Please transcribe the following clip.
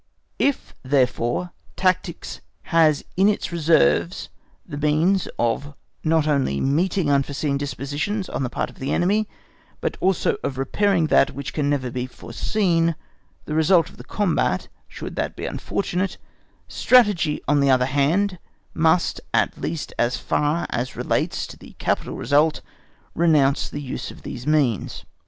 If, therefore, tactics has in its reserves the means of not only meeting unforeseen dispositions on the part of the enemy, but also of repairing that which never can be foreseen, the result of the combat, should that be unfortunate; Strategy on the other hand must, at least as far as relates to the capital result, renounce the use of these means.